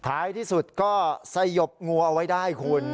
ถ่ายที่สุดก็สยบงัวไว้ได้คุณ